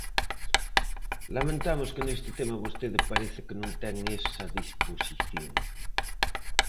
Lamentamos que neste tema vostede parece que non ten esa disposición.